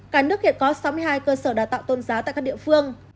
cả nước hiện có sáu mươi hai cơ sở đào tạo tôn giáo tại các địa phương